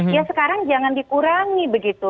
ya sekarang jangan dikurangi begitu